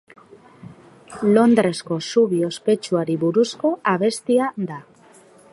Londresko Zubi ospetsuari buruzko abestia da.